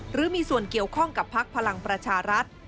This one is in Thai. หรือมีส่วนเกี่ยวข้องกับพักพลังประชารัฐ